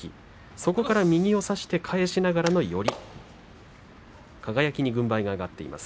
そこから右を差して返しながらの寄り輝に軍配が上がっています。